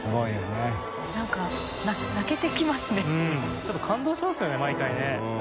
ちょっと感動しますよね毎回ね。